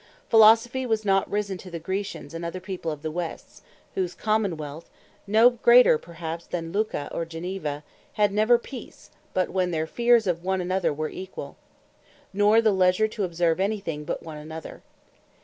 Philosophy was not risen to the Graecians, and other people of the West, whose Common wealths (no greater perhaps then Lucca, or Geneva) had never Peace, but when their fears of one another were equall; nor the Leasure to observe any thing but one another.